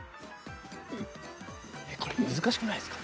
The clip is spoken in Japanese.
えっこれ難しくないすか？